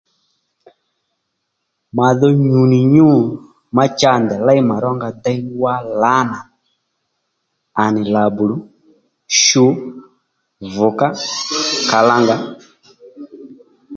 Mà dho nyù nì nyǔ ma cha ndèy léy mà ró nga déy wá lǎnà à nì làbolu, shu, vùgá, kalanga